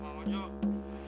tuh mau jauh